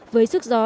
với sức gió